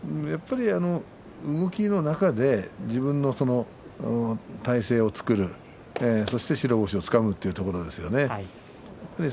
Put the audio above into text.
動きの中で自分の体勢を作るそして、白星をつかむというところですよね。